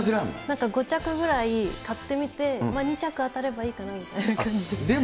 なんか、５着ぐらい買ってみて２着当たればいいかなみたいな感じで。